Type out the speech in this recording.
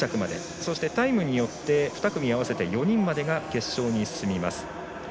そしてタイムによって２組合わせて４人までが決勝に進みます。